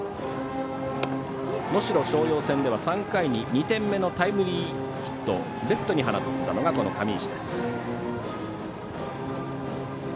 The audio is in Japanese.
能代松陽戦では３回に２点目のタイムリーヒットレフトに放ったのがこの上石です。